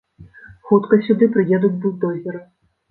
Хутка сюды прыедуць бульдозеры.